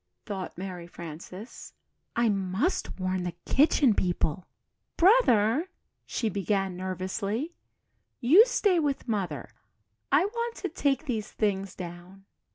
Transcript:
thought Mary Frances, "I must warn the Kitchen People." "Brother," she began, nervously, "you stay with Mother I want to take these things down."